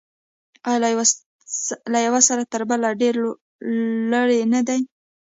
آیا له یوه سر تر بل سر ډیر لرې نه دی؟